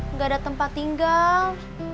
nggak ada tempat tinggal